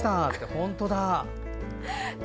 本当だ。